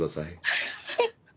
はい。